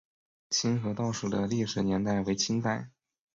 清河道署的历史年代为清代。